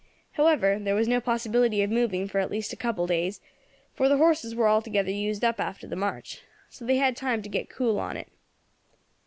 However, there was no possibility of moving for at least a couple of days, for the horses war altogether used up after the march. So they had time to get cool on it.